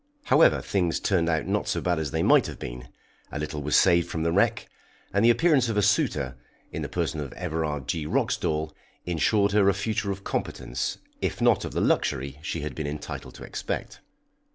However, things turned out not so bad as they might have been, a little was saved from the wreck, and the appearance of a suitor, in the person of Everard G. Roxdal, ensured her a future of competence, if not of the luxury she had been entitled to expect.